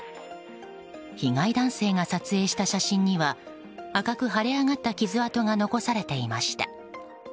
被害男性が撮影した写真には赤く腫れ上がった傷痕が残されていました。